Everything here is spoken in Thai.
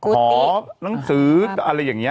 ขอหนังสืออะไรอย่างนี้